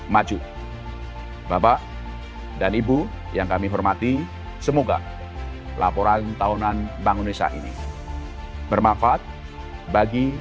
maju bapak dan ibu yang kami hormati semoga laporan tahunan bangsa ini bermanfaat bagi